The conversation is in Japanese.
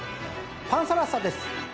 パンサラッサです。